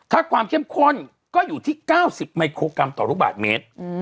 ถ้าความเข้มข้นก็อยู่ที่๙๐มิโครกรัมต่อลูกบาทเมตร